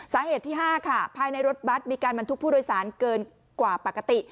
สาเหตุที่๕ค่ะภายในรถบัตรมีการบรรทุกผู้โดยสารเกินกว่าปกติ